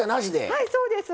はいそうです。